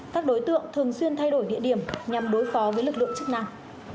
các đối tượng thường xuyên thay đổi địa điểm nhằm đối phó với lực lượng chức năng